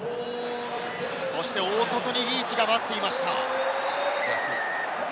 そして大外にリーチが待っていました。